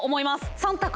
３択。